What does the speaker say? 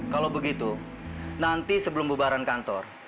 kalau begitu nanti sebelum bubaran kantor